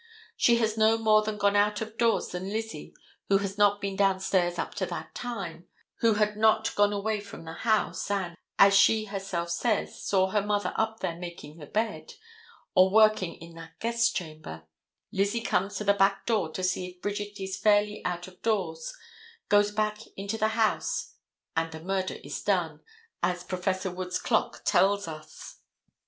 She has no more than got out of doors than Lizzie, who had not been down stairs up to that time, who had not gone away from the house, and, as she herself says, saw her mother up there making the bed, or working in that guest chamber, Lizzie comes to the back door to see if Bridget is fairly out of doors, goes back into the house, and the murder is then done, as Prof. Wood's clock tells us.